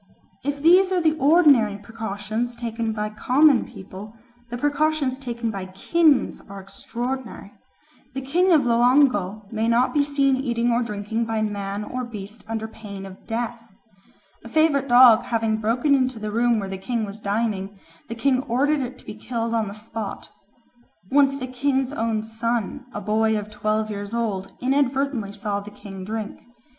If these are the ordinary precautions taken by common people, the precautions taken by kings are extraordinary. The king of Loango may not be seen eating or drinking by man or beast under pain of death. A favourite dog having broken into the room where the king was dining, the king ordered it to be killed on the spot. Once the king's own son, a boy of twelve years old, inadvertently saw the king drink.